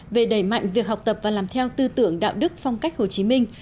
về đẩy mạnh việc học tập và làm theo tư tưởng đạo đức phong cách hồ chí minh